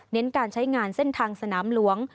การใช้งานเส้นทางสนามหลวง